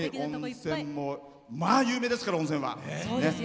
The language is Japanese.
有名ですから温泉は。